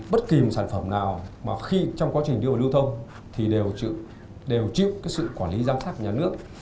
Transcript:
bất kỳ một sản phẩm nào mà khi trong quá trình đưa vào lưu thông thì đều chịu cái sự quản lý giám sát của nhà nước